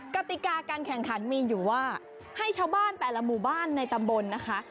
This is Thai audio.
กติกาการแข่งขันมีอยู่ว่าให้ชาวบ้านแต่ละหมู่บ้านในตำบลนะคะ